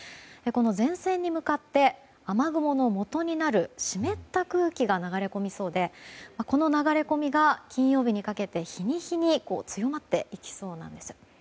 前線に向かって雨雲のもとになる湿った空気が流れ込みそうでこの流れ込みが金曜日にかけて日に日に強まっていきそうなんです。